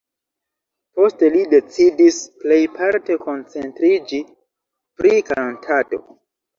Poste li decidis plejparte koncentriĝi pri kantado.